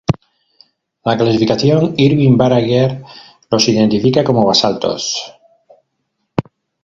La clasificación Irvine-Barager los identifica como basaltos.